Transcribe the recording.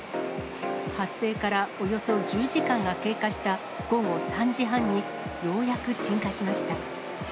発生からおよそ１０時間が経過した午後３時半に、ようやく鎮火しました。